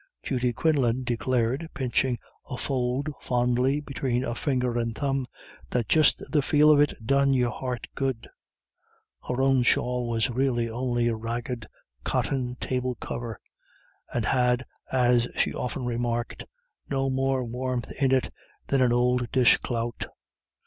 Judy Quinlan declared, pinching a fold fondly between a finger and thumb, that just the feel of it done your heart good. Her own shawl was really only a ragged cotton table cover, and had, as she often remarked, "no more warmth in it than an ould dish clout."